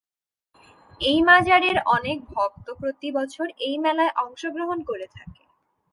এই মাজারের অনেক ভক্ত প্রতি বছর এই মেলায় অংশ গ্রহণ করে থাকে।